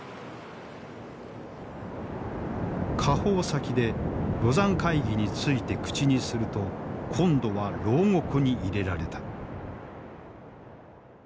下放先で廬山会議について口にすると今度は牢獄に入れられた。